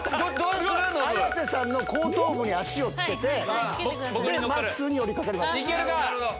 綾瀬さんの後頭部に足をつけてまっすーに寄り掛かります。